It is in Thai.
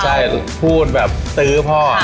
ใช่พูดแบบตื้อพ่อ